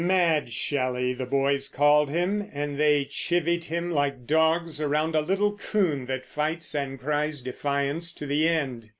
"Mad Shelley" the boys called him, and they chivied him like dogs around a little coon that fights and cries defiance to the end.